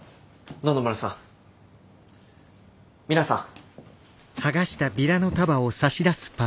野々村さん皆さん。